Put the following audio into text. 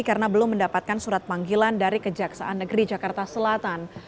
karena belum mendapatkan surat panggilan dari kejaksaan negeri jakarta selatan